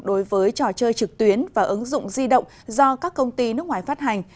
đối với trò chơi trực tuyến và ứng dụng di động do các công ty nước ngoài phát hành